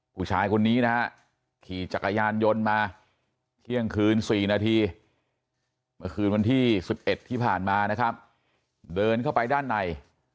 ผู้ชายคนนี้นะฮะขี่จักรยานยนต์มาเที่ยงคืน๔นาทีเมื่อคืนวันที่๑๑ที่ผ่านมานะครับเดินเข้าไปด้านใน